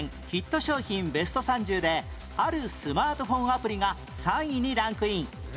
ベスト３０であるスマートフォンアプリが３位にランクイン